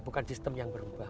bukan sistem yang berubah